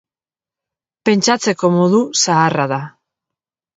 Pentsatzeko modu zaharra da.